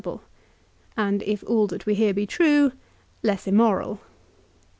201 able, and, if all that we hear be true, less immoral.